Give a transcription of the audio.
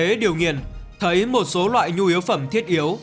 hùng biết điều nghiền thấy một số loại nhu yếu phẩm thiết yếu